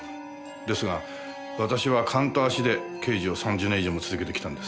ですが私は勘と足で刑事を３０年以上も続けてきたんです。